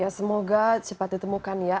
ya semoga cepat ditemukan ya